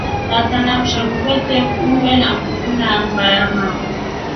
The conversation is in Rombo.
Tata na msheku vete umbe a mburu na mmba ya mawe.